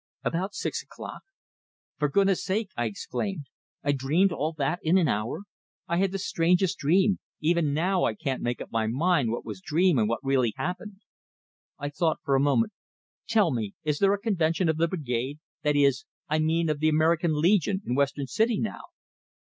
"About six o'clock." "For goodness sake!" I exclaimed. "I dreamed all that in an hour! I had the strangest dream even now I can't make up my mind what was dream and what really happened." I thought for a moment. "Tell me, is there a convention of the Brigade that is, I mean, of the American Legion in Western City now?"